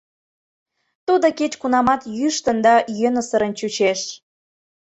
Тудо кеч-кунамат йӱштын да йӧнысырын чучеш.